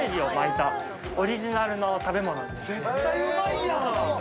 絶対うまいやん。